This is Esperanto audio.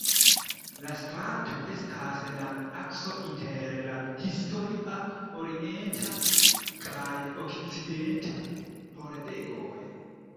La strato estas la akso inter la historia orienta kaj okcidenta pordegoj.